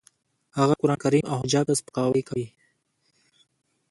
هغه قرانکریم او حجاب ته سپکاوی کوي